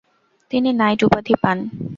তিনি নাইট উপাধি পান।